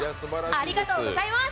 ありがとうございます。